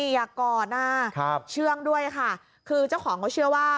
อยากกอดนะเชื่องด้วยค่ะคือเจ้าของเขาเชื่อว่า